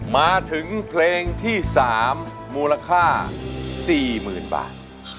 มาถึงเพลงที่๓มูลค่า๔๐๐๐บาท